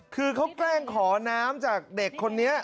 คือเขาแกล้งขอน้ำจากเด็กคนนี้